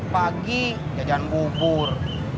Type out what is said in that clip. pagi jajan bubur